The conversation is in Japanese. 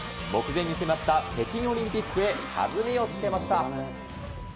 目前に迫った北京オリンピックへ、弾みをつけました。